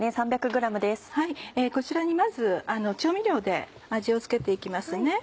こちらにまず調味料で味を付けて行きますね。